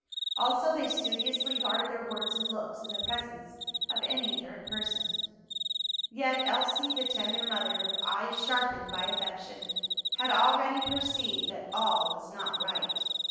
Also, they studiously guarded their words and looks in the presence of any third person. Yet Elsie, the tender mother, with eyes sharpened by affection, had already perceived that all was not right.